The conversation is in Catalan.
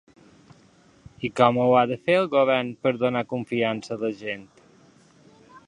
I com ho ha de fer, el govern, per donar confiança a la gent?